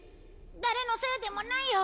誰のせいでもないよ。